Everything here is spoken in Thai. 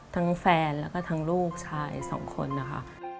แฟนแล้วก็ทั้งลูกชายสองคนนะคะ